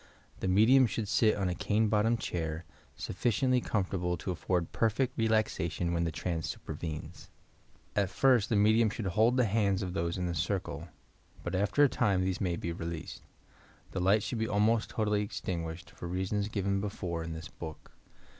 The medium should sit on a cane bottomed chair, BufBciently comfortable to afford perfect relaxation when the trance supervenes. At first the medium should hold the hands of those in the circle, but after a time these may be released. The light should be almost totally ex tinguished, for reasons given before in this book.